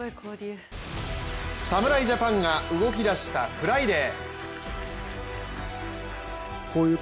侍ジャパンが動きだしたフライデー。